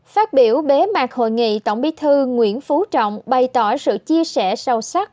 phát biểu bế mạc hội nghị tổng bí thư nguyễn phú trọng bày tỏ sự chia sẻ sâu sắc